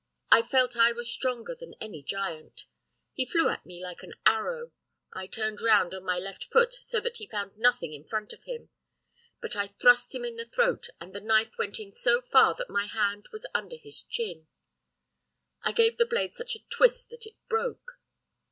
I felt I was stronger than any giant. He flew at me like an arrow. I turned round on my left foot, so that he found nothing in front of him. But I thrust him in the throat, and the knife went in so far that my hand was under his chin. I gave the blade such a twist that it broke.